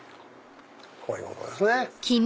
こういうことですね。